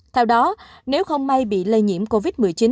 theo đó nếu không may bị lây nhiễm covid một mươi chín